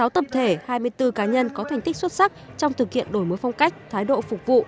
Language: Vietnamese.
sáu tập thể hai mươi bốn cá nhân có thành tích xuất sắc trong thực hiện đổi mới phong cách thái độ phục vụ